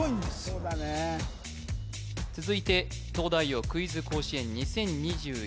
そうだね続いて東大王クイズ甲子園２０２１